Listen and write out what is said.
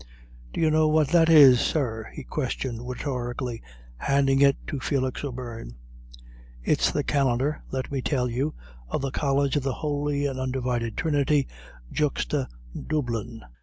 "D'you know what that is, sir?" he questioned, rhetorically, handing it to Felix O'Beirne. "It's the Calendar, let me tell you, of the College of the Holy and Undivided Trinity, juxta Dublin.